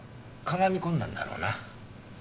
屈み込んだんだろうな。